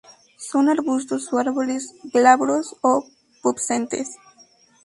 Son arbustos o árboles, glabros o pubescentes.